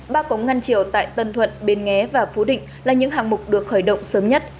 ba cống ngăn triều tại tân thuận bến nghé và phú định là những hạng mục được khởi động sớm nhất